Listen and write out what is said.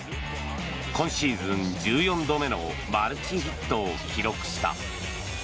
今シーズン１４度目のマルチヒットを記録した。